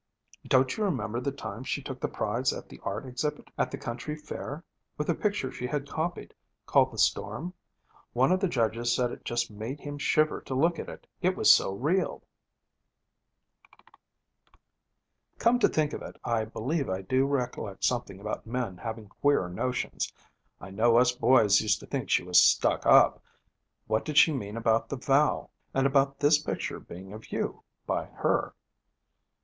Don't you remember the time she took the prize at the art exhibit at the country fair, with a picture she had copied, called The Storm? One of the judges said it just made him shiver to look at it, it was so real.' 'Come to think of it, I believe I do recollect something about Min having queer notions. I know us boys used to think she was stuck up. What did she mean about the vow and about this picture being of you, by her?'